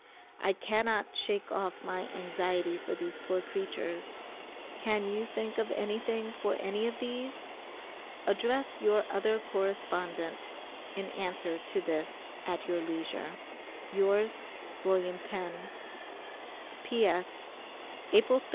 I cannot shake off my anxiety for these poor creatures. Can you think of anything for any of these? Address your other correspondent in answer to this at your leisure. Yours, WM. PENN. P.S. April 3d.